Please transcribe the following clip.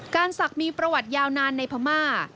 ศักดิ์มีประวัติยาวนานในพม่า